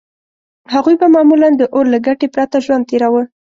هغوی به معمولاً د اور له ګټې پرته ژوند تېراوه.